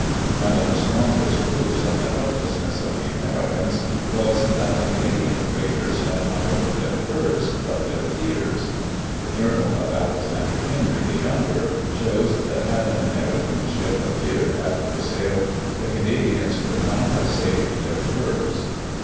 One of the strongest proofs of the helplessness of the Americans was that the Canadian traders had not only their furs, but their fears. The journal of Alexander Henry, the Younger, shows that had an American ship appeared after the sale the Canadians could not have saved their furs.